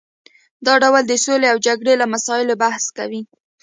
دا ډول د سولې او جګړې له مسایلو بحث کوي